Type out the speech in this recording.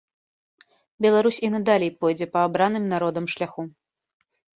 Беларусь і надалей пойдзе па абраным народам шляху.